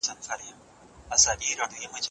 زه چې تا وينم لېونی سمه له حاله وځم